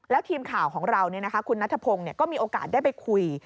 แล้วทีมข่าวของเราคุณนัทพงศ์ก็มีโอกาสได้ไปคุย